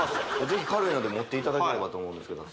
ぜひ軽いので持っていただければと思うんですけど